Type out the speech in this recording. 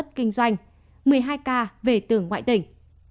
một mươi hai ca về tường ngoại tỉnh